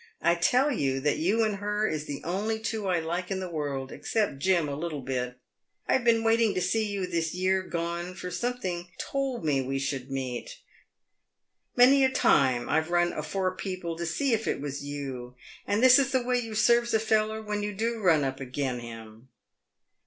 I tell you that you and her is the only two I like in the world — except Jim a little bit. I've been waiting to see you this year gone, for something told me we should meet. Many a time I've run afore people to see if it was you, and this is the way you serves a feller when you do run up agin him."